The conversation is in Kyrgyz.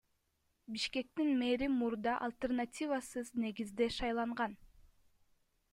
Бишкектин мэри мурда альтернативасыз негизде шайланган.